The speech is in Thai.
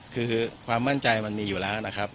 คือความมั่นใจมันมีอยู่แล้วนะครับ